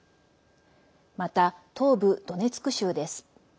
また、東部ドネツク州です。